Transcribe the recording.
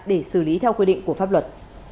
để xử lý theo quy định của pháp luật